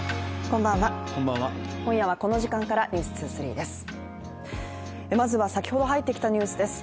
今夜はこの時間から「ｎｅｗｓ２３」です。